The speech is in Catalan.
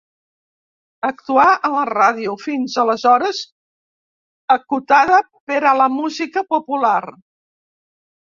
Actuà en la ràdio, fins aleshores acotada per a la música popular.